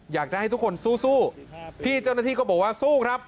อยากจะให้ทุกคนสู้พี่เจ้าหน้าที่ก็บอกว่าสู้ครับ